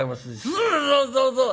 「そうそうそうそう！